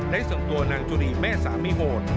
ได้ส่งตัวนางจุรีแม่สามีโหด